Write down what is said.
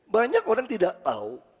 banyak orang tidak tahu